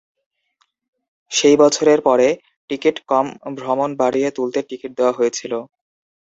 সেই বছরের পরে, টিকিট-কম ভ্রমণ বাড়িয়ে তুলতে টিকিট দেওয়া হয়েছিল।